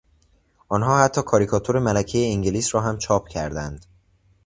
آنها حتی کاریکاتور ملکهی انگلیس را هم چاپ کردند.